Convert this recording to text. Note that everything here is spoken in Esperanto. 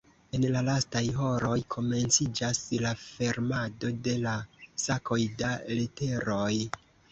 En la lastaj horoj komenciĝas la fermado de la sakoj da leteroj.